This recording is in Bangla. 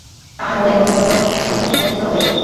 তাঁহার মনের মধ্যে অত্যন্ত একটা সংকোচ উপস্থিত হইল।